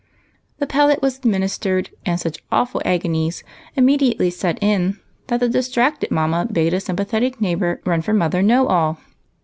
The pellet was administered, and such awful agonies immediately set in that the distracted mamma bade a sympathetic neighbor run for Mother Know all.